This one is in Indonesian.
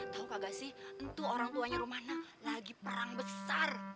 tau kagak sih entuh orangtuanya rumana lagi perang besar